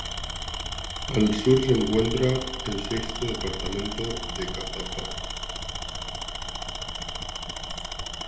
Al Sur se encuentra el sexto Departamento de Caazapá.